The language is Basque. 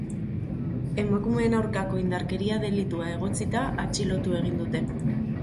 Emakumeen aurkako indarkeria delitua egotzita atxilotu egin dute.